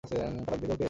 তালাক দেবে ওকে?